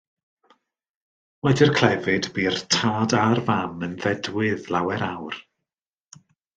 Wedi'r clefyd, bu'r tad a'r fam yn ddedwydd lawer awr.